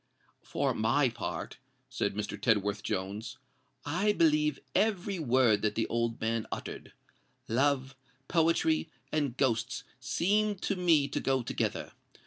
"For my part," said Mr. Tedworth Jones, "I believe every word that the old man uttered. Love, poetry, and ghosts seem to me to go together.